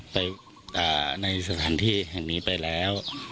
ไปในสถานที่แห่งนี้ไปแล้ว